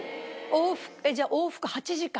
じゃあ往復８時間？